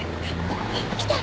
来た！